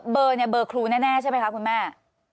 เบอร์เนี่ยเบอร์ครูแน่ใช่ไหมคะคุณแม่